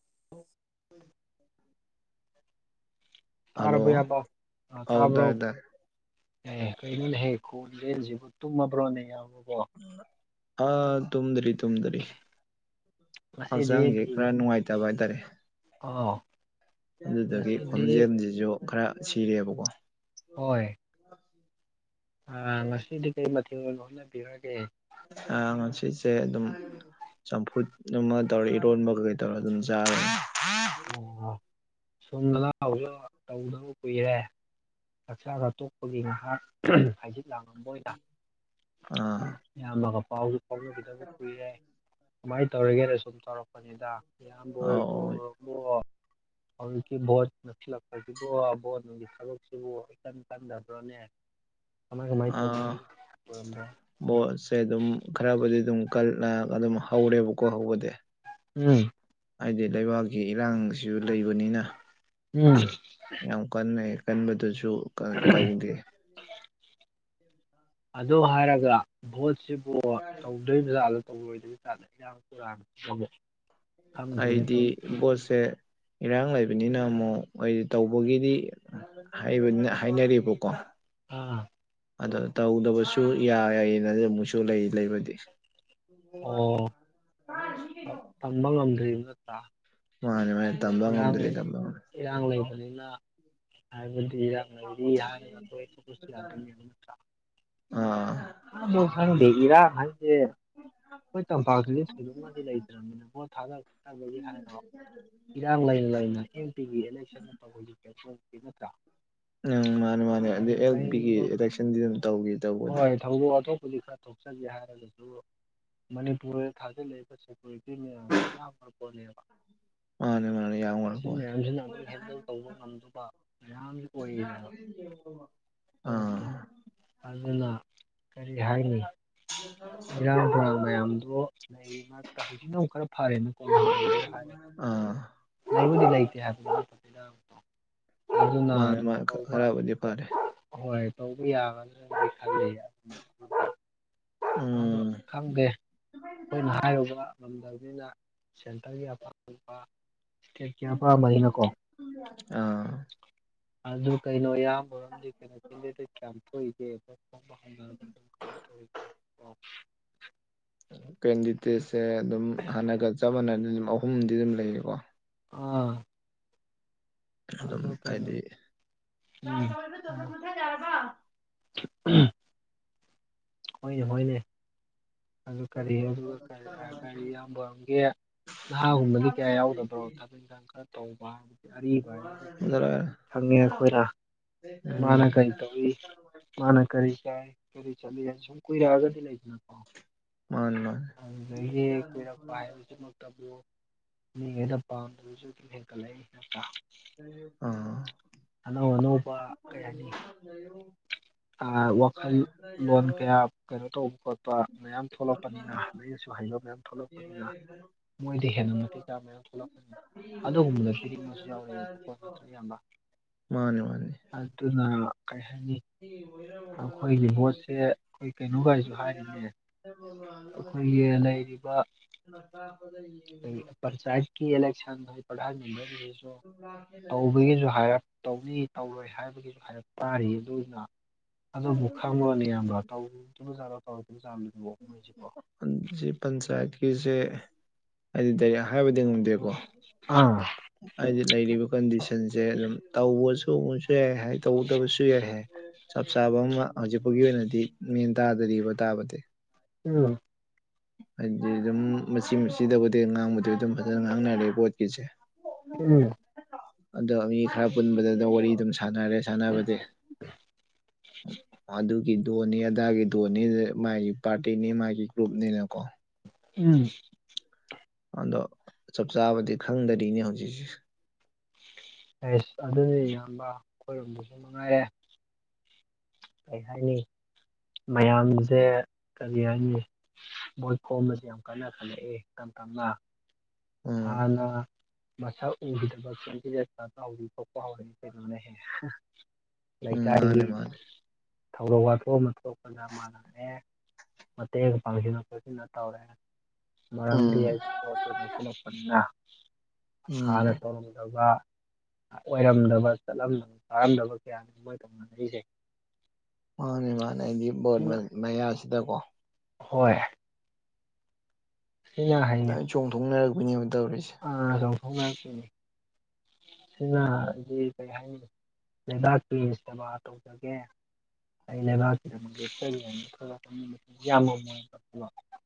[inaudible] [inaudible] ꯇꯥꯔꯕꯣ ꯍꯜꯂꯣ ꯏꯌꯥꯝꯕꯥ ꯑꯥ ꯑꯧ ꯇꯥꯕ꯭ꯔꯣ ꯇꯥꯔꯦ ꯇꯥꯔꯦ ꯑꯦ ꯀꯔꯤꯅꯣꯅꯦꯍꯦ ꯈꯣꯟꯖꯦꯜꯖꯤꯕꯣ ꯇꯨꯝꯃꯕ꯭ꯔꯣꯅꯦ ꯏꯌꯥꯝꯕꯕꯣ ꯑꯥ ꯇꯨꯝꯗꯔꯤ ꯇꯨꯝꯗꯔꯤ ꯉꯁꯤꯗꯤ ꯍꯛꯆꯥꯡꯖꯦ ꯀꯔꯤ ꯈꯔ ꯅꯨꯡꯉꯥꯏꯇꯕ ꯍꯥꯏꯇꯥꯔꯦ ꯑꯥꯎ ꯑꯗꯨꯗꯒꯤ ꯉꯁꯤꯗꯤ ꯈꯣꯟꯖꯦꯜꯖꯤꯖꯨ ꯈꯔ ꯁꯤꯔꯦꯕꯀꯣ ꯍꯣꯏ ꯑꯥ ꯉꯁꯤꯗꯤ ꯀꯩ ꯃꯊꯦꯜ ꯑꯣꯏꯅ ꯍꯣꯠꯅꯕꯤꯔꯒꯦ ꯑꯥ ꯉꯁꯤꯁꯦ ꯑꯗꯨꯝ ꯆꯝꯐꯨꯠ ꯑꯃꯥ ꯇꯧꯔꯦ ꯏꯔꯣꯟꯕ ꯒꯩꯀꯩ ꯇꯧꯔ ꯑꯗꯨꯝ ꯆꯥꯔꯦ ꯑꯣ ꯁꯣꯝꯗꯥ ꯂꯛ ꯑꯖꯨ ꯇꯧꯗꯕ ꯀꯨꯏꯔꯦ ꯆꯛꯆꯥꯒ ꯇꯣꯛꯄꯒꯤ ꯉꯍꯥꯛ ꯍꯪꯖꯤꯠ ꯂꯥꯡꯉꯝꯕ ꯑꯣꯏꯅ ꯑꯥ ꯏꯌꯥꯝꯕꯒ ꯄꯥꯎꯖꯨ ꯐꯥꯎꯅꯈꯤꯗꯕ ꯀꯨꯏꯔꯦ ꯀꯃꯥꯏ ꯇꯧꯔꯤꯒꯦꯅ ꯁꯨꯝ ꯇꯧꯔꯛ ꯄꯅꯤꯗ ꯑꯧ [unintelligible] ꯍꯧꯖꯤꯛꯀꯤ ꯕꯣꯠ ꯅꯛꯁꯤꯜꯂꯛꯄꯁꯤꯕꯨ ꯕꯣꯠ ꯅꯨꯡꯒꯤ ꯊꯕꯛꯁꯤꯕꯨ ꯏꯀꯟ ꯀꯟꯗꯕ꯭ꯔꯅꯦ ꯀꯃꯥꯏ ꯀꯃꯥꯏ ꯇꯧꯅꯔꯤ ꯑꯥ [unintelligible] ꯕꯣꯠꯁꯦ ꯑꯗꯨꯝ ꯈꯔꯕꯨꯗꯤ ꯑꯗꯨꯝ ꯀꯜ ꯑꯥ ꯑꯗꯨꯝ ꯍꯧꯔꯦꯕꯀꯣ ꯍꯧꯕꯗꯤ ꯎꯝ ꯍꯥꯏꯗꯤ ꯂꯩꯕꯥꯛꯀꯤ ꯏꯔꯥꯡꯁꯨ ꯂꯩꯕꯅꯤꯅ ꯎꯝ ꯌꯥꯝ ꯀꯟꯅ ꯍꯦꯛ ꯀꯟꯕꯗꯨꯖꯨ ꯀꯥ ꯇꯧꯗꯦ [inaudible] ꯑꯗꯨ ꯍꯥꯏꯔꯒ ꯚꯣꯠꯁꯤꯕꯨ ꯇꯧꯗꯣꯏꯕꯖꯠꯂ ꯇꯧꯔꯣꯏꯗꯣꯏ [unintelligible] ꯑꯩꯗꯤ ꯚꯣꯠꯁꯦ ꯏꯔꯥꯡ ꯂꯩꯕꯅꯤꯅ ꯑꯃꯨꯛ ꯃꯣꯏꯗꯤ ꯇꯧꯕꯒꯤꯗꯤ ꯍꯩꯕꯅꯤꯅ ꯍꯥꯏꯅꯔꯤꯕꯀꯣ ꯑꯥ ꯑꯗ ꯇꯧꯗꯕꯁꯨ ꯌꯥꯏꯌꯦꯅ ꯑꯃꯨꯛꯁꯨ ꯂꯩ ꯂꯩꯕꯗꯤ ꯑꯣ ꯑꯞ ꯇꯝꯕ ꯉꯝꯗ꯭ꯔꯤꯝ ꯅꯠꯇ꯭ꯔꯥ ꯃꯥꯟꯅꯦ ꯃꯥꯅꯦ ꯇꯝꯕ ꯏꯔꯥꯡ ꯉꯝꯗ꯭ꯔꯦ ꯂꯩ ꯇꯝꯕ ꯉꯝꯗ꯭ꯔꯦ ꯏꯔꯥꯡ ꯂꯩꯕꯅꯤꯅ ꯍꯥꯏꯕꯗꯤ ꯏꯔꯥꯡ ꯂꯩꯔꯤ ꯍꯥꯏꯔꯒ [unintelligible] ꯅꯠꯇ꯭ꯔ ꯑꯥ ꯑꯥ ꯃꯣꯏ ꯈꯪꯗꯦ ꯏꯔꯥꯡ ꯍꯥꯏꯖꯦ ꯈꯣꯏ ꯇꯝꯄꯥꯛꯇꯗꯤ ꯊꯣꯏꯗꯣꯛꯅꯗꯤ ꯂꯩꯇ꯭ꯔꯝꯅꯤꯅ ꯕꯣꯠ ꯊꯥꯗ ꯇꯟꯕꯒꯤ ꯍꯥꯏꯔꯣ ꯏꯔꯥ ꯔꯥꯡ ꯂꯩꯅ ꯂꯩꯅ ꯑꯦꯝ ꯄꯤꯒꯤ ꯑꯦꯂꯦꯛꯁꯟ ꯇꯧꯕꯒꯤ [unintelligible] ꯅꯠꯇ꯭ꯔ ꯎꯝ ꯃꯥꯅꯦ ꯃꯥꯅꯦ ꯑꯗꯨ ꯑꯦꯜ ꯄꯤꯒꯤ ꯀꯔꯤꯒꯨꯝꯕ ꯏꯂꯦꯛꯁꯟꯗꯤ ꯑꯗꯨꯝ ꯇꯧꯒꯤ ꯇꯧꯕꯗꯤ ꯍꯣꯏ ꯊꯧꯗꯣꯛ ꯋꯥꯇꯣꯛꯄꯨꯗꯤ ꯈꯔ ꯊꯣꯛꯆꯒꯦ ꯍꯥꯏꯔꯒꯖꯨ ꯃꯅꯤꯄꯨꯔꯗ ꯊꯥꯖꯤꯜꯂꯛꯏꯕ ꯁꯦꯀꯨꯔꯤꯇꯤ ꯃꯌꯥꯝꯗꯨ ꯌꯥꯝꯈ꯭ꯔ ꯄꯣꯠꯅꯦꯕ ꯃꯥꯅꯦ ꯃꯥꯅꯦ ꯌꯥꯝꯒ꯭ꯔ ꯁꯤ ꯃꯌꯥꯝꯖꯤꯅ ꯑꯗꯨꯝ ꯍꯦꯟꯗꯜ ꯇꯧꯕ ꯉꯝꯗꯨꯕ ꯃꯌꯥꯝꯖꯤ ꯑꯣꯏꯔꯤꯅꯦꯕ ꯑꯥ ꯄꯣꯠꯇꯣ ꯑꯗꯨꯅ ꯀꯔꯤ ꯍꯥꯏꯅꯤ ꯏꯔꯥꯡ ꯇꯨꯔꯥꯡ ꯃꯌꯥꯝꯗꯨ ꯂꯩ ꯃꯔꯛꯇ ꯍꯧꯖꯤꯛꯅꯃꯨꯛ ꯈꯔ ꯐꯔꯦꯅꯀꯣ [inaudible] ꯑꯥ ꯂꯩꯕꯨꯗꯤ ꯂꯩꯇꯦ [inaudible] ꯗ ꯑꯗꯨꯅ ꯃꯥꯅꯦ ꯑꯗꯨꯝ ꯃꯥꯅꯦ ꯍꯧꯕ ꯈꯔꯕꯨꯗꯤ ꯐꯔꯦ ꯍꯣꯏ ꯇꯧꯕ ꯌꯥꯒ꯭ꯔꯗꯗꯤ ꯈꯟꯂꯤ [unintelligible] ꯑꯗꯣ ꯎꯝ ꯈꯪꯗꯦ ꯈꯣꯏꯅ ꯍꯥꯏꯔꯨꯕ ꯉꯝꯗꯕꯅꯤꯅ ꯁꯦꯟꯇꯔꯒꯤ ꯑꯄꯥꯝꯕ ꯇꯤꯀꯦꯠ ꯀꯌꯥ ꯄꯥꯥꯝꯕ ꯑꯩꯅꯀꯣ ꯑꯥ ꯑꯗꯨ ꯀꯩꯅꯣ ꯏꯌꯥꯝꯕ ꯍꯣꯏꯔꯣꯝꯗꯤ ꯀꯩꯅꯣ ꯀꯦꯟꯗꯤꯗꯦꯠ ꯀꯌꯥꯝ ꯊꯣꯛꯏꯒꯦ [unintelligible] [inaudible] ꯀꯃꯥꯏ ꯇꯧꯔꯤ ꯑꯣ [unintelligible] ꯀꯦꯟꯗꯤꯗꯦꯠꯁꯦ ꯑꯗꯨꯝ ꯍꯥꯟꯅꯒ ꯆꯞ ꯃꯥꯟꯅꯅ ꯗꯨꯝ ꯑꯍꯨꯝꯗꯤ ꯗꯨꯝ ꯂꯩꯔꯦꯒꯣ ꯑꯥ ꯑꯗꯨꯝ ꯑꯗꯨ ꯀꯩꯅꯣ ꯍꯥꯏꯗꯤ ꯆꯥꯔꯖ ꯎꯝ ꯇꯧꯔꯤ [unintelligible] ꯃꯨꯊꯠ ꯌꯥꯔꯕ ꯎꯝ ꯍꯣꯏꯅꯦ ꯍꯣꯏꯅꯦ ꯑꯗꯨ ꯀꯔꯤ ꯑꯗꯨꯒ ꯀꯔꯤ [unintelligible] ꯏꯌꯥꯝꯕꯝꯒꯤ ꯅꯍꯥꯒꯨꯝꯕꯗꯤ ꯀꯌꯥ ꯌꯥꯎꯗꯕ꯭ꯔꯣ ꯊꯕꯛ ꯏꯟꯈꯥꯡ ꯈꯔ ꯇꯧꯕ ꯑꯔꯤꯕ ꯍꯥꯏꯖꯤꯅꯗꯤ ꯈꯪꯉꯦ ꯑꯩꯈꯣꯏꯅ ꯃꯥꯅ ꯎꯝ ꯀꯔꯤ ꯇꯧꯏ ꯃꯥꯅ ꯀꯔꯤ ꯀꯥꯏ ꯀꯔꯤ ꯆꯠꯂꯤ ꯍꯥꯏ ꯁꯨꯝ ꯀꯨꯢꯔꯛꯑꯒꯗꯤ ꯂꯩꯗꯅꯀꯣ ꯃꯥꯥꯅꯤ ꯃꯥꯅꯤ ꯑꯗꯨꯗꯒꯤ ꯀꯨꯏꯔꯛꯄ ꯍꯥꯏꯕꯖꯤꯃꯨꯛ ꯇꯕꯨ ꯃꯤꯉꯩꯅ ꯄꯥꯝꯗꯕꯖꯨ ꯗꯨꯝ ꯍꯦꯟꯀꯠꯂꯛꯏ ꯅꯠꯇ꯭ꯔꯥ ꯑꯥ ꯑꯅꯧ ꯑꯅꯧꯕ ꯀꯩ ꯍꯥꯏꯅꯤ [unintelligible] ꯑꯥ ꯋꯥꯈꯜꯂꯣꯟ ꯀꯌꯥ ꯀꯩꯅꯣ ꯇꯧꯕ ꯈꯣꯠꯄ ꯃꯌꯥꯝ ꯊꯣꯂꯛꯄꯅꯤꯅ ꯗꯒꯤ ꯁꯨ ꯍꯩꯕ ꯃꯌꯥꯝ ꯊꯣꯛꯂꯛꯄꯅꯤꯅ ꯕꯖꯦꯅꯔꯦꯁꯟ ꯃꯣꯏꯗ ꯀꯩꯅꯣ ꯍꯦꯟꯅ ꯇꯧꯔꯣ ꯃꯇꯤꯛ ꯆꯥꯕ ꯃꯌꯥꯝ ꯊꯣꯛꯂꯛꯄꯅꯤꯅ ꯃꯤ ꯑꯣꯢꯌꯨ ꯃꯤ ꯑꯗꯨꯒꯨꯝꯕꯗ ꯑꯃ ꯄꯤꯅꯤꯡꯕꯁꯨ ꯑꯣꯏꯗ꯭ꯔꯕ ꯌꯥꯎꯔꯛꯑꯦꯕꯀꯣ ꯇꯥꯔꯗꯤꯀꯣ ꯅꯠꯇ꯭ꯔ ꯏꯌꯥꯝꯕ ꯃꯥꯅꯦ ꯃꯥꯅꯦ ꯑꯗꯨꯅ ꯀꯩ ꯍꯥꯏꯅꯤ ꯃꯤ ꯑꯣꯏꯅꯕ ꯍꯣꯠꯅꯧ ꯑꯩꯈꯣꯏꯒꯤ ꯃꯤ ꯚꯣꯠꯁꯦ ꯑꯣꯏꯒꯦ ꯑꯩꯈꯣꯏ ꯍꯨꯖꯤꯛꯇꯤ ꯀꯩꯅꯣꯒꯥꯏꯁꯨ ꯃꯤꯌꯥꯝ ꯍꯥꯏꯔꯤꯅꯦ ꯑꯩꯈꯣꯏꯒꯤ ꯂꯩꯔꯤꯕ [unintelligible] ꯆꯥꯢꯠꯀꯤ ꯏꯂꯦꯛꯁꯟ ꯍꯣꯢ ꯄ꯭ꯔꯙꯥꯟ ꯒꯨꯝꯕꯩꯗꯨꯁꯨ ꯇꯧꯕꯒꯤꯖꯨ ꯍꯥꯏꯔꯛ ꯇꯧꯅꯤ ꯇꯧꯔꯣꯏ ꯍꯥꯏꯕꯒꯤꯖꯨ ꯍꯥꯢꯔꯞ ꯇꯥꯔꯤ ꯗꯨꯅ ꯑꯗꯨꯕꯨ ꯈꯪꯕꯔꯣꯅꯦ ꯢꯌꯥꯝꯕꯥ ꯇꯧꯗꯣꯕ ꯖꯥꯠꯂꯣ ꯇꯧꯔꯣꯢꯗꯣꯕ ꯖꯥꯠꯂꯕꯣ ꯃꯣꯏꯖꯤꯕꯣ ꯑꯟꯖꯤ ꯄꯟꯆꯥꯌꯠꯀꯤꯖꯦ ꯑꯩꯗꯤ ꯗꯥꯏꯔꯦꯛ ꯍꯥꯏꯕꯗꯤ ꯉꯝꯗꯦꯒꯣ ꯑꯥ ꯍꯥꯏꯗꯤ ꯂꯩꯔꯤꯕ ꯀꯟꯗꯤꯁꯟꯖꯦ ꯑꯗꯨꯝ ꯇꯧꯕꯁꯨ ꯑꯃꯨꯛꯁꯨ ꯌꯥꯏ ꯍꯥꯏ ꯇꯧꯗꯕꯁꯨ ꯌꯥꯏ ꯍꯥꯏ ꯆꯞ ꯆꯥꯕ ꯑꯃꯒ ꯍꯧꯖꯤꯛꯐꯥꯎꯒꯤ ꯑꯣꯏꯅꯗꯤ ꯃꯦꯟ ꯇꯥꯗꯔꯤꯕ ꯇꯥꯕꯗꯤ ꯎꯝ ꯍꯥꯏꯗꯤ ꯗꯨꯝ ꯃꯆꯤ ꯃꯆꯤꯗꯕꯨꯗꯤ ꯉꯥꯡꯕꯗꯤ ꯑꯗꯨꯝ ꯐꯖꯅ ꯉꯥꯡꯅꯔꯦ ꯕꯣꯠꯀꯤꯖꯦ ꯎꯝ ꯑꯗꯣ ꯃꯤ ꯈꯔ ꯄꯨꯟꯕꯗ ꯗꯨꯝ ꯋꯥꯔꯤ ꯗꯨꯝ ꯁꯥꯟꯅꯔꯦ ꯁꯥꯟꯅꯕꯗꯤ [inaudible] ꯑꯗꯨꯒꯤ ꯗꯣꯟꯅꯤ ꯑꯗꯥꯒꯤ ꯗꯣꯟꯅꯤ ꯑꯗ ꯃꯥꯒꯤ ꯄꯥꯔꯇꯤꯅꯤ ꯃꯥꯒꯤ ꯒ꯭ꯔꯨꯞꯅꯤꯅꯀꯣ ꯎꯝ ꯑꯗꯣ ꯆꯞ ꯆꯥꯕꯗꯤ ꯈꯪꯗꯔꯤꯅꯦ ꯍꯧꯖꯤꯛꯁꯤ ꯑꯩꯁ ꯑꯗꯨꯅꯤ ꯏꯌꯥꯝꯕ ꯈꯣꯏꯔꯣꯝꯗꯖꯨ ꯃꯉꯥꯏꯔꯦ ꯀꯩ ꯍꯥꯏꯅꯤ ꯃꯌꯥꯝꯖꯦ ꯀꯔꯤ ꯍꯥꯏꯅꯤ ꯕꯣꯠ ꯈꯣꯝꯕꯖꯦ ꯌꯥꯝ ꯀꯥꯟꯅ ꯈꯜꯂꯛꯑꯦ ꯇꯝ ꯇꯞꯅ ꯎꯝ ꯍꯥꯟꯅ ꯃꯁꯛ ꯎꯈꯤꯗꯕ ꯀꯦꯟꯗꯤꯗꯦꯠ [unintelligible] ꯊꯣꯛꯄ ꯍꯧꯔꯛꯏ ꯀꯩꯅꯣꯅꯦ ꯍꯦ ꯎꯝ ꯂꯩꯀꯥꯏꯒꯤ ꯃꯥꯅꯦ ꯃꯥꯅꯦ ꯊꯧꯗꯣꯛ ꯋꯥꯊꯣꯛ ꯑꯃ ꯊꯣꯛꯄꯗ ꯃꯥꯅ ꯃꯇꯦꯡ ꯄꯥꯡꯖꯤꯜꯂꯛꯄꯖꯤꯅ ꯇꯧꯔꯦ ꯃꯔꯝꯗꯤ ꯎꯝ ꯕꯣꯠꯇꯣ ꯅꯛꯁꯤꯜꯂꯛꯄꯅꯤꯅ ꯍꯥꯟꯅ ꯎꯝ ꯇꯧꯔꯝꯗꯕ ꯑꯣꯏꯔꯝꯗꯕ ꯆꯠꯂꯝꯗꯕ ꯆꯥꯔꯝꯗꯕ ꯀꯌꯥꯅꯤ ꯃꯣꯏꯅ ꯇꯧꯅꯔꯛꯢꯁꯦ ꯃꯥꯅꯦ ꯃꯥꯅꯦ ꯑꯩꯗꯤ ꯕꯣꯠ ꯁꯤꯅ ꯃꯌꯥꯁꯤꯗꯀꯣ ꯍꯣꯏ ꯢꯌꯥ ꯍꯥꯏꯌꯦ ꯂꯣꯏ ꯆꯣꯡꯊꯣꯛꯅꯔꯛꯄꯤꯅꯦꯕ ꯇꯧꯔꯤꯁꯦ ꯑꯥ ꯆꯣꯡꯊꯣꯛꯅꯔꯛꯄꯤꯅꯦ ꯁꯤꯅꯗꯤ ꯀꯩ ꯍꯥꯏꯅꯤ ꯂꯩꯕꯥꯛꯀꯤ ꯁꯦꯕꯥ ꯇꯧꯖꯒꯦ [unintelligible]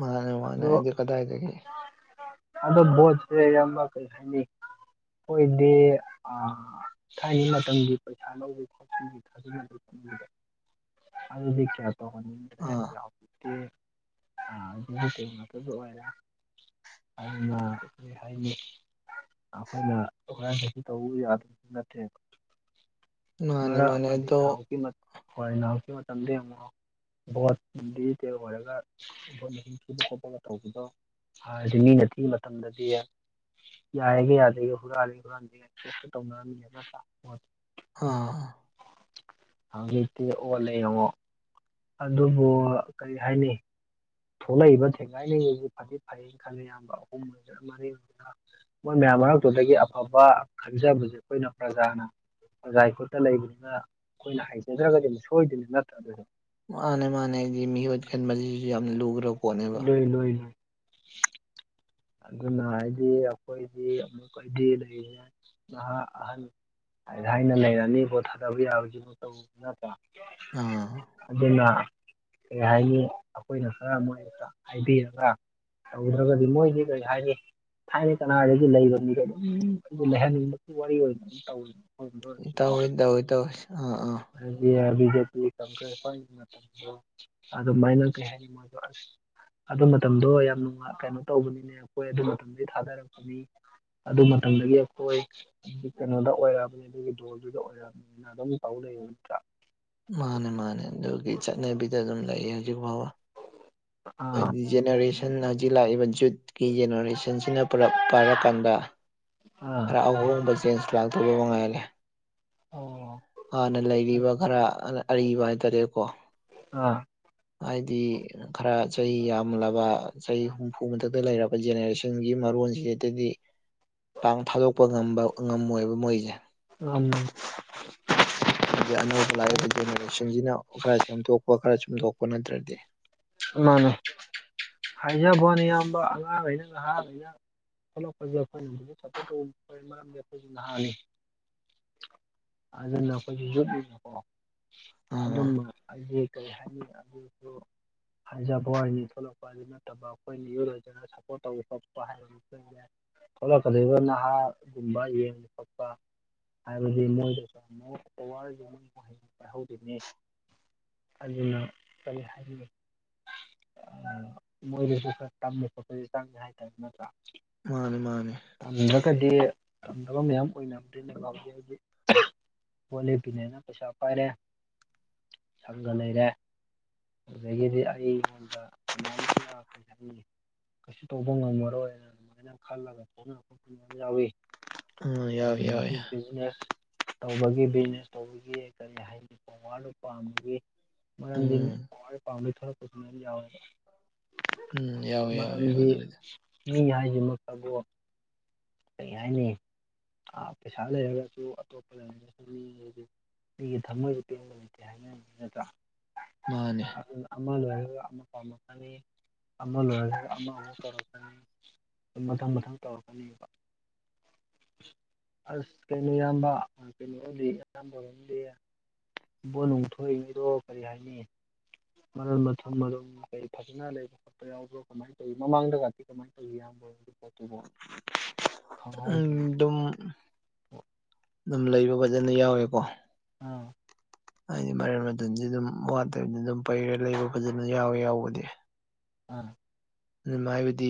ꯃꯥꯅꯦ ꯃꯥꯅꯦ ꯑꯗꯣ ꯑꯩꯗꯤ ꯀꯗꯥꯢꯗꯒꯤ ꯑꯗꯣ ꯕꯣꯠꯁꯦ ꯢꯌꯥꯝꯕ ꯀꯩ ꯍꯥꯏꯅꯤ ꯑꯣꯏꯗꯤ ꯑꯥ ꯊꯥꯏꯅꯩ ꯃꯇꯝꯒꯤ ꯄꯩꯁꯥ ꯂꯧ ꯑꯗꯨꯗꯤ ꯀꯌꯥ ꯇꯧꯍꯟꯅꯤꯡ ꯑꯥ [unintelligible] ꯑꯗꯨꯅ ꯀꯩ ꯍꯥꯏꯅꯤ [unintelligible] ꯃꯥꯅꯦ ꯃꯥꯅꯦ ꯑꯩꯗꯣ [unintelligible] ꯚꯣꯠ ꯗꯤꯖꯤꯇꯦꯜ ꯑꯣꯏꯔꯒ ꯚꯣꯠ ꯃꯁꯤꯡ ꯊꯤꯕ ꯈꯣꯠꯄꯒ ꯇꯧꯕꯗꯣ ꯍꯥꯟꯅꯗꯤ ꯃꯤꯅ ꯊꯤ ꯃꯇꯝꯗꯗꯤ ꯌꯥꯏꯌꯦꯒ ꯌꯥꯗꯦꯒꯦ ꯍꯨꯔꯜꯂꯤꯒ ꯍꯨꯔꯥꯟꯗꯦ [unintelligible] ꯑꯥ ꯍꯧꯖꯤꯛꯇꯤ ꯑꯣꯜꯂꯦ ꯌꯦꯡꯉꯣ ꯑꯗꯨꯕꯨ ꯀꯩ ꯍꯥꯏꯅꯤ ꯊꯣꯛꯂꯛꯏꯕ ꯊꯦꯡꯒꯥꯏꯅꯒꯤꯕ ꯐꯗꯤ ꯐꯩꯌꯦꯅ ꯈꯜꯂꯦ ꯢꯌꯥꯝꯕ ꯑꯍꯨꯝ ꯑꯣꯏꯒꯦꯔ ꯃꯔꯤ ꯑꯣꯏꯒꯦꯔ ꯃꯣꯏ ꯃꯌꯥꯝ ꯃꯔꯛꯇꯨꯗꯒꯤ ꯑꯐꯕ ꯈꯟꯖꯕꯁꯦ ꯑꯈꯣꯏꯅ ꯄ꯭ꯔꯥꯖꯥꯅ ꯄꯔ꯭ꯖꯥꯏ ꯈꯨꯠꯇ ꯂꯩꯕꯅꯤꯅ ꯑꯈꯣꯏꯅ ꯍꯩꯖꯗ꯭ꯔꯒꯗꯤ ꯑꯗꯨꯝ ꯁꯣꯏꯗꯣꯏꯅꯤ ꯅꯠꯇ꯭ꯔ ꯑꯗꯨꯗꯤ ꯃꯥꯅꯦ ꯃꯥꯅꯦ ꯍꯥꯢꯗꯤ ꯃꯤꯍꯨꯠ ꯈꯟꯕꯁꯤꯁꯨ ꯌꯥꯝꯅ ꯂꯨꯒ꯭ꯔꯥ ꯂꯨꯢ ꯂꯨꯏ ꯂꯨꯏ ꯑꯗꯨꯅ ꯍꯥꯏꯗꯤ ꯑꯈꯣꯏꯗꯤ ꯑꯃꯨꯛꯀꯗꯤ ꯂꯩꯔꯦ ꯅꯍꯥ ꯑꯍꯟ ꯂꯩꯔꯅꯤ ꯕꯣꯠ ꯊꯥꯗꯕ ꯌꯥꯕꯒꯤ ꯃꯥꯇꯧ ꯅꯠꯇ꯭ꯔꯥ ꯑꯥ ꯑꯗꯨꯅ ꯀꯩ ꯍꯥꯏꯅꯤ ꯑꯈꯣꯏꯅ ꯈꯔ ꯃꯣꯏꯅ ꯈꯔ ꯍꯥꯏꯕꯤꯔꯒ ꯇꯧꯗ꯭ꯔꯒꯗꯤ ꯃꯣꯏꯗꯤ ꯀꯩ ꯍꯥꯏꯅꯤ ꯊꯥꯏꯅꯩ ꯀꯅꯥꯗꯒꯤ ꯂꯩꯕꯥꯃꯤꯗ ꯑꯗꯨꯝ ꯂꯩꯍꯟꯅꯤꯡꯕꯒꯤ ꯋꯥꯔꯤ ꯑꯣꯏꯅ ꯑꯗꯨꯝ ꯇꯧꯋꯤ ꯇꯧꯋꯤ ꯇꯧꯋꯤ ꯑꯥ ꯑꯥ ꯇꯧꯋꯤ [unintelligible] ꯑꯗꯨꯃꯥꯏꯅ ꯀꯩ ꯍꯥꯏꯅꯤ ꯃꯣꯢꯗꯣ ꯑꯁ ꯑꯗꯨ ꯃꯇꯝꯗꯣ ꯌꯥꯝ ꯅꯨꯡꯉꯥꯢ ꯀꯩꯅꯣ ꯇꯧꯕꯅꯤꯅꯦ ꯑꯈꯣꯢ ꯑꯗꯨ ꯃꯇꯝꯗꯩꯩ ꯊꯗꯥꯔꯀꯄꯥꯃꯤ ꯑꯗꯨ ꯃꯇꯝꯗꯒꯤ ꯑꯩꯈꯣꯏ ꯀꯩꯅꯣꯗ ꯑꯣꯏꯔꯛꯑꯕꯅꯤ ꯑꯗꯨꯒꯤ ꯗꯣꯜꯗꯨꯗ ꯑꯣꯏꯔꯛꯑꯕꯅꯤ ꯑꯗꯨꯅ ꯑꯗꯨꯝ ꯇꯧ ꯂꯩ ꯅꯠꯇ꯭ꯔꯥ ꯃꯥꯅꯦ ꯃꯥꯅꯦ ꯑꯗꯨꯒꯤ ꯆꯠꯅꯕꯤꯗ ꯑꯗꯨꯝ ꯂꯩꯌꯦ ꯍꯧꯖꯤꯛ ꯐꯥꯎꯕ ꯑꯥ ꯍꯥꯏꯗꯤ ꯖꯦꯅꯔꯦꯁꯟ ꯍꯧꯖꯤꯛ ꯂꯥꯛꯏꯕ ꯖꯨꯠꯀꯤ ꯖꯦꯅꯔꯦꯁꯟꯁꯤꯅ ꯄꯨꯂꯞ ꯄꯥꯏꯔꯀꯥꯟꯗ ꯑꯥ ꯈꯔ ꯑꯍꯣꯡꯕ ꯆꯦꯟꯁ ꯂꯥꯛꯇꯧꯕ ꯃꯉꯥꯏꯔꯦ ꯑꯣ ꯍꯥꯟꯅ ꯂꯩꯔꯤꯕ ꯈꯔ ꯑꯔꯤꯕ ꯍꯥꯏꯇꯥꯔꯦꯀꯣ ꯑꯥ ꯍꯥꯏꯗꯤ ꯈꯔ ꯆꯍꯤ ꯌꯥꯝꯂꯕ ꯆꯍꯤ ꯍꯨꯝꯐꯨ ꯃꯊꯛꯇ ꯂꯩꯔꯕ ꯖꯦꯅꯦꯔꯦꯁꯟꯒꯤ ꯃꯔꯣꯟꯁꯤꯗꯗꯤ ꯄꯥꯡ ꯊꯥꯗꯣꯛꯄ ꯉꯝꯕ ꯉꯝꯃꯣꯏꯕ ꯃꯣꯏꯖꯦ ꯉꯝ [unintelligible] ꯍꯥꯏꯗꯤ ꯑꯅꯧꯕ ꯂꯥꯛꯏꯕ ꯖꯦꯅꯦꯔꯦꯁꯟꯖꯤꯅ ꯈꯔ ꯁꯦꯝꯗꯣꯛꯄ ꯈꯔ ꯆꯨꯝꯗꯣꯛꯄ ꯅꯠꯇ꯭ꯔꯗꯤ ꯃꯥꯅꯦ ꯍꯥꯏꯖꯕ꯭ꯌꯥꯅꯦ ꯏꯌꯥꯝꯕ ꯑꯉꯥꯡꯒꯩꯅ ꯅꯍꯥ [unintelligible] ꯊꯣꯛꯂꯛꯄꯗ [unintelligible] ꯅꯍꯥꯟ ꯑꯗꯨꯅ ꯑꯈꯣꯏꯒꯤ ꯌꯨꯠꯀꯤ [unintelligible] ꯑꯥ ꯑꯗꯨꯝꯕ ꯍꯥꯏꯗꯤ ꯀꯩ ꯍꯥꯏꯅꯤ ꯑꯗꯨꯁꯨ ꯍꯥꯏꯖꯕꯋꯥꯅꯤ ꯊꯣꯛꯂꯛꯄ [unintelligible] ꯅꯠꯇꯕ ꯑꯩꯈꯣꯏ ꯃꯤꯌꯣꯏꯕꯖꯤꯅ ꯁꯞꯄꯣꯔꯠ ꯇꯧꯕ ꯈꯣꯠꯄ ꯍꯥꯏꯕ [unintelligible] ꯊꯣꯛꯂꯛꯀꯗꯧꯔꯤꯕ ꯅꯍꯥꯒꯨꯝꯕ ꯌꯦꯡꯕ ꯈꯣꯠꯄ ꯍꯥꯏꯕꯗꯤ ꯃꯣꯏꯗꯁꯨ ꯑꯃꯨꯛ ꯄꯋꯥꯔ ꯖꯤ ꯑꯃꯨꯛ ꯄꯥꯏꯍꯧꯗꯣꯏꯅꯤ ꯑꯩꯗꯨꯅꯅ ꯀꯩ ꯍꯥꯏꯅꯤ [unintelligible] ꯃꯣꯏꯗꯁꯨ ꯈꯔ ꯇꯝꯕ ꯈꯣꯠꯄꯗꯤ ꯆꯪꯉꯦ ꯍꯥꯏꯇꯥꯔꯦ ꯅꯠꯇ꯭ꯔꯥ ꯃꯥꯅꯤ ꯃꯥꯅꯤ ꯇꯝꯗ꯭ꯔꯒꯗꯤ ꯇꯝꯗꯕ ꯃꯌꯥꯝ ꯑꯣꯏꯅꯕ [unintelligible] ꯍꯧꯖꯤꯛ ꯍꯧꯖꯤꯛ ꯚꯣꯠ ꯂꯦꯄꯤꯅꯦꯅ ꯄꯩꯁꯥ ꯄꯥꯏꯔꯦ ꯁꯪꯒ ꯂꯩꯔꯦ ꯑꯗꯒꯤꯗꯤ ꯑꯩꯉꯣꯟꯗ ꯀꯅꯥꯝꯒꯤꯅ ꯀꯩ ꯍꯥꯏꯅꯤ ꯀꯩꯁꯨ ꯇꯧꯕ ꯉꯝꯃꯔꯣꯏꯅ ꯑꯗꯨꯃꯥꯏꯅ ꯈꯜꯂꯒ ꯊꯣꯛꯅ [unintelligible] ꯌꯥꯎꯏ ꯎꯝ ꯌꯥꯎꯋꯤ ꯌꯥꯎꯋꯤ ꯑꯗꯨꯗꯒꯤ ꯕꯤꯖꯤꯅꯦꯁ ꯇꯧꯕꯒꯤ ꯕꯤꯖꯤꯅꯦꯁ ꯇꯧꯕꯒꯤ ꯀꯔꯤ ꯍꯥꯏꯅꯤ ꯄꯥꯋꯔꯗꯣ ꯄꯥꯝꯕꯒꯤ ꯃꯔꯝꯗꯤ ꯎꯝ ꯄꯋꯥꯔ ꯄꯥꯝꯕꯩ ꯊꯣꯛꯂꯄꯁꯨ ꯃꯌꯥꯝ ꯌꯥꯎꯋꯦꯕ ꯎꯝ ꯌꯥꯎꯋꯤ ꯌꯥꯎꯋꯤ ꯃꯔꯝꯗꯤ ꯑꯗꯨꯕꯨꯗꯤ ꯃꯤ ꯍꯥꯏꯖꯤꯃꯛꯇꯕꯨ ꯀꯩ ꯍꯥꯏꯅꯤ ꯄꯩꯁꯥ ꯂꯩꯔꯒꯁꯨ ꯑꯇꯣꯞꯄꯗ ꯃꯤꯒꯤ [unintelligible] ꯅꯨꯄꯤꯒꯤ ꯊꯃꯣꯏꯁꯦ ꯄꯦꯟꯕ ꯂꯩꯇꯦ ꯍꯥꯏꯅꯔꯤ ꯅꯠꯇ꯭ꯔꯥ ꯃꯥꯅꯤ ꯗꯨꯅ ꯑꯃ ꯂꯣꯏꯔꯒ ꯑꯃꯃꯨꯛ ꯄꯥꯝꯃꯛꯀꯅꯤ ꯑꯃ ꯂꯣꯏꯔ ꯑꯃ ꯃꯨꯛ ꯇꯧꯔꯛꯀꯅꯤ ꯃꯊꯪ ꯃꯊꯪ ꯇꯧꯔꯛꯀꯅꯦꯕ ꯑꯁ ꯀꯩꯅꯣ ꯏꯌꯥꯝꯕ ꯀꯩꯅꯣꯗꯤ ꯑꯌꯥꯝꯕꯔꯣꯝꯗꯤ ꯚꯣꯠ ꯅꯨꯡ ꯊꯣꯛꯏꯒꯩꯗꯣ ꯀꯔꯤ ꯍꯥꯏꯅꯤ ꯃꯔꯟ ꯃꯊꯨꯝ ꯃꯌꯨꯝ ꯃꯀꯩ ꯐꯖꯅ ꯂꯩꯕ ꯌꯥꯎꯕ꯭ꯔꯣ ꯀꯃꯥꯏ ꯇꯧꯋꯤ ꯃꯃꯥꯡꯗꯒꯗꯤ ꯀꯃꯥꯏꯟ ꯇꯧꯏ [unintelligible] [unintelligible] ꯈꯪꯍꯧꯗ꯭ꯔꯦ ꯑꯗꯨꯝ ꯑꯗꯨꯝ ꯂꯩꯕ ꯐꯖꯅ ꯌꯥꯎꯋꯦꯀꯣ ꯑꯪ ꯍꯥꯏꯗꯤ ꯃꯔꯟ ꯃꯊꯨꯝꯁꯤꯗꯨꯝ ꯋꯥꯠꯇꯕꯗ ꯑꯗꯨꯝ ꯄꯩꯔ ꯂꯩꯕ ꯐꯖꯅ ꯌꯥꯎꯋꯦ ꯌꯥꯎꯕꯗꯤ ꯑꯥ ꯑꯗꯨꯝ ꯍꯥꯏꯕꯗꯤ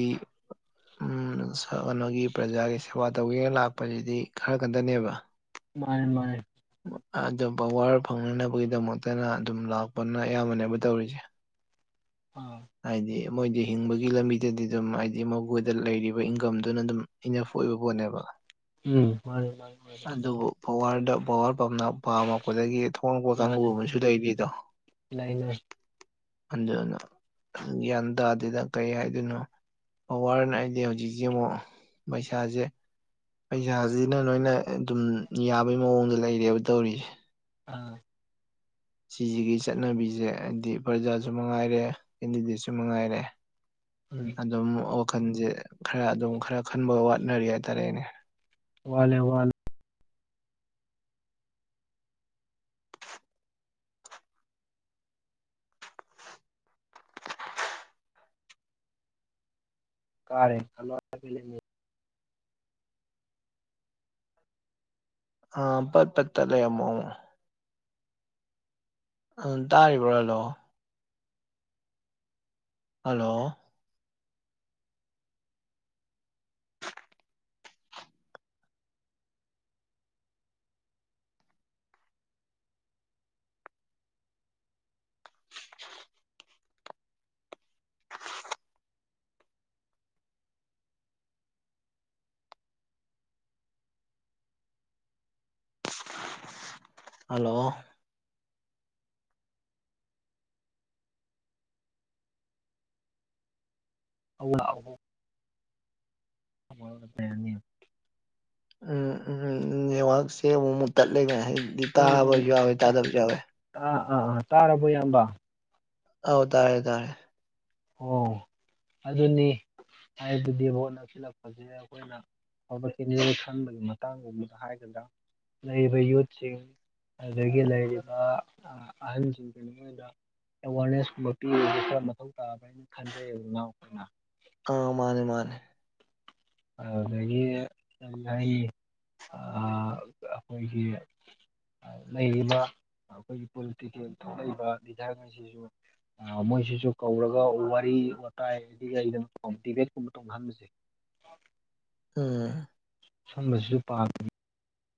ꯎꯝ [unintelligible] ꯀꯅꯣꯒꯤ ꯄ꯭ꯔꯖꯥꯒꯤ ꯁꯦ ꯕꯥ ꯇꯧꯒꯦꯅ ꯂꯥꯛꯄꯁꯤꯗꯤ ꯈꯔ ꯈꯠꯇꯅꯦꯕ ꯃꯥꯅꯤ ꯃꯥꯅꯤ ꯑꯗꯨꯝ ꯄꯋꯥꯔ ꯐꯪꯅꯅꯕꯒꯤꯗꯃꯛꯇꯅ ꯑꯗꯨꯝ ꯂꯥꯛꯄꯅ ꯑꯌꯥꯝꯕꯅꯦꯕ ꯇꯧꯔꯤꯁꯦ ꯑꯥ ꯍꯥꯏꯗꯤ ꯃꯣꯏꯗꯤ ꯍꯤꯡꯕꯒꯤ ꯂꯝꯕꯤꯗꯗꯤ ꯑꯗꯨꯝ ꯍꯥꯏꯗꯤ ꯃꯕꯣꯍꯣꯏꯗ ꯂꯩꯔꯤꯕ ꯏꯟꯀꯝꯗꯨꯅ ꯑꯗꯨꯝ ꯏꯅꯥꯞꯐ ꯑꯣꯏꯕ ꯄꯣꯠꯅꯦꯕ ꯎꯝ ꯃꯥꯅꯦ ꯃꯥꯅꯦ ꯃꯥꯅꯦ ꯑꯗꯨꯕꯨ ꯄꯋꯥꯔꯗ ꯄꯋꯥꯔ ꯄꯝꯅ ꯄꯥꯝꯃꯛꯄꯗꯒꯤ ꯊꯣꯛꯂꯛꯄ ꯀꯥꯡꯕꯨ ꯃꯥꯅꯦ ꯑꯃꯁꯨ ꯂꯩꯔꯤꯗꯣ ꯂꯩ ꯂꯩ ꯑꯗꯨꯅ ꯒ꯭ꯌꯥꯟ ꯇꯥꯗꯦꯗ ꯀꯩ ꯍꯥꯏꯗꯣꯏꯅꯣ ꯄꯋꯥꯔꯅ ꯑꯩꯗꯤ ꯍꯧꯖꯤꯛꯁꯦ ꯑꯃꯨꯛ ꯄꯩꯁꯥꯖꯦ ꯄꯩꯁꯥꯖꯤꯅ ꯂꯣꯏꯅ ꯑꯗꯨꯝ ꯌꯥꯕꯩ ꯃꯑꯣꯡꯗ ꯂꯩꯔꯦꯕ ꯇꯧꯔꯤꯖꯦ ꯑꯥ ꯁꯤꯖꯤꯒꯤ ꯆꯠꯅꯕꯤꯖꯦ ꯍꯥꯏꯕꯗꯤ ꯄ꯭ꯔꯖꯥꯁꯨ ꯃꯉꯥꯏꯔꯦ ꯀꯦꯟꯗꯤꯗꯦꯠꯁꯨ ꯃꯉꯥꯏꯔꯦ [unintelligible] ꯑꯗꯨꯝ ꯋꯥꯈꯜꯖꯦ ꯈꯔ ꯑꯗꯨꯝ ꯈꯔ ꯈꯟꯕ ꯋꯥꯠꯅꯔꯤ ꯍꯥꯏꯇꯥꯔꯦꯅꯦ ꯋꯥꯠꯂꯦ ꯋꯥꯠꯂꯦ ꯀꯥꯔꯦ ꯈꯟꯂꯣ ꯑꯗꯨꯗꯩ ꯑꯥ ꯄꯠ ꯄꯠ ꯇꯠꯂꯦ ꯑꯃꯨꯛ ꯑꯃꯨꯛ ꯑꯥ ꯇꯥꯔꯤꯕ꯭ꯔꯥ ꯍꯜꯂꯣ ꯍꯜꯂꯣ ꯍꯜꯂꯣ [unintelligible] [unintelligible] ꯎꯝ ꯎꯝ ꯅꯦꯠꯋꯥꯛꯁꯦ ꯑꯃꯨꯛ ꯃꯨꯛ ꯇꯠꯂꯦꯅꯦ ꯍꯥꯏꯗꯤ ꯎꯝ ꯎꯝ ꯇꯥꯕꯁꯨ ꯎꯝ ꯌꯥꯎꯋꯦ ꯇꯥꯗꯕꯁꯨ ꯌꯥꯎꯋꯦ ꯇꯥ ꯑꯥ ꯑꯥ ꯇꯥꯔꯕꯣ ꯏꯌꯥꯝꯕ ꯑꯧ ꯇꯥꯔꯦ ꯇꯥꯔꯦ ꯑꯣ ꯑꯗꯨꯅꯤ ꯍꯥꯏꯕꯗꯤ ꯚꯣꯠ ꯅꯛꯁꯤꯜꯂꯛꯄꯁꯦ ꯑꯩꯈꯣꯏ ꯑꯩꯅ ꯑꯐꯕ ꯀꯦꯟꯗꯤꯗꯦꯠ ꯈꯟꯕꯒꯤ ꯃꯇꯥꯡꯒꯨꯝꯕꯗ ꯍꯥꯏꯒꯗ꯭ꯔꯥ ꯂꯩꯔꯤꯕ ꯌꯨꯠꯁꯤꯡ ꯑꯗꯒꯤ ꯂꯩꯔꯤꯕ ꯑꯍꯟꯖꯤꯡ ꯀꯩꯅꯣ ꯑꯦꯋꯥꯔꯅꯦꯁ ꯀꯨꯝꯕ ꯄꯤꯕꯖꯦ ꯈꯔ ꯃꯊꯧ ꯇꯥꯕ꯭ꯔ ꯍꯥꯏꯅ ꯈꯟꯖꯩꯌꯦꯕ ꯏꯅꯥꯎ ꯑꯩꯈꯣꯏꯅ ꯑꯥ ꯃꯥꯟꯅꯦ ꯃꯥꯟꯅꯦ ꯑꯗꯒꯤ ꯑꯩ ꯑꯥ ꯑꯈꯣꯏꯒꯤ ꯂꯩꯔꯤꯕ ꯑꯩꯈꯣꯏꯒꯤ ꯄꯣꯂꯤꯇꯤꯀꯦꯜ ꯊꯣꯛꯂꯛꯏꯕ ꯂꯤꯗꯔꯉꯩꯖꯤꯖꯨ ꯑꯦ ꯃꯣꯏꯁꯤꯁꯨ ꯀꯧꯔꯒ ꯋꯥꯔꯤ ꯋꯥꯇꯥꯏꯗꯤ ꯂꯩꯗꯅꯀꯣ ꯃꯣꯇꯤꯚꯦꯠꯀꯨꯝꯕ ꯇꯧꯅꯍꯟꯕꯖꯦ ꯎꯝ ꯁꯨꯝꯕꯁꯤꯁꯨ ꯄꯥꯝꯃꯤ